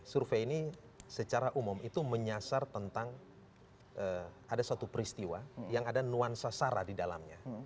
survei ini secara umum itu menyasar tentang ada suatu peristiwa yang ada nuansa sara di dalamnya